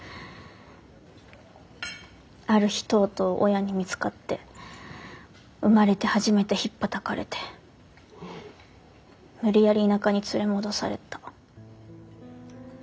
ある日とうとう親に見つかって生まれて初めてひっぱたかれて無理やり田舎に連れ戻された。